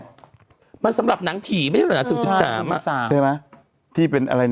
เนี่ยมันสำหรับหนังผีไม่ใช่ประมาณสี่สิบสามอ่ะใช่ไหมที่เป็นอะไร